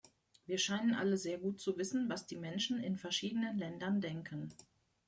Wir scheinen alle sehr gut zu wissen, was die Menschen in verschiedenen Ländern denken.